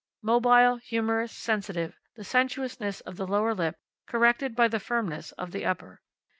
Mobile, humorous, sensitive, the sensuousness of the lower lip corrected by the firmness of the upper.